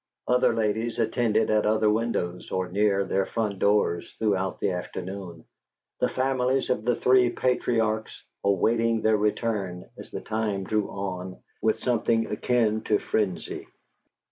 Other ladies attended at other windows, or near their front doors, throughout the afternoon: the families of the three patriarchs awaiting their return, as the time drew on, with something akin to frenzy.